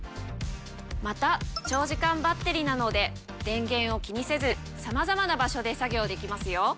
また長時間バッテリなので電源を気にせずさまざまな場所で作業できますよ。